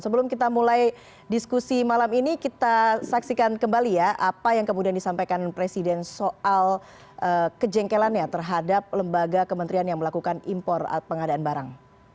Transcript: sebelum kita mulai diskusi malam ini kita saksikan kembali ya apa yang kemudian disampaikan presiden soal kejengkelannya terhadap lembaga kementerian yang melakukan impor pengadaan barang